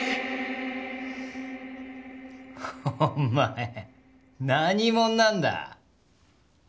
お前何もんなんだ？